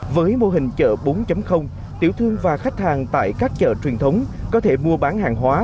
với mô hình chợ bốn tiểu thương và khách hàng tại các chợ truyền thống có thể mua bán hàng hóa